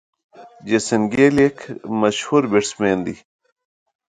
جیسن ګيل یک مشهور بيټسمېن دئ.